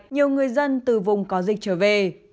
nhiều người dân từ vùng có dịch trở về